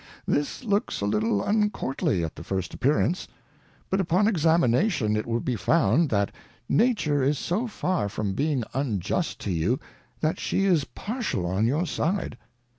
This looks a little uncourtly at the first appearance ; but upon Examination it will be found, that Nature is so far from being unjust to you, that she is partial on your side.